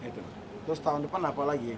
terus tahun depan apa lagi